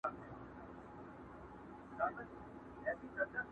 د قلا شنې وني لمبه سوې د جهاد په اور کي،